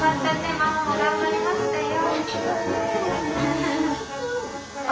ママも頑張りましたよ。